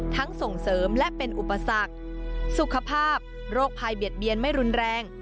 ส่งเสริมและเป็นอุปสรรคสุขภาพโรคภัยเบียดเบียนไม่รุนแรง